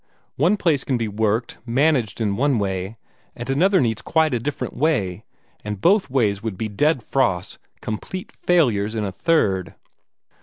One place can be worked, managed, in one way, and another needs quite a different way, and both ways would be dead frosts complete failures in a third."